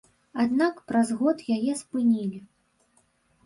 Аднак праз год яе спынілі.